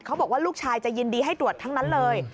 เขาบอกว่าลูกชายจะยินดีให้ตรวจทั้งนั้นเลย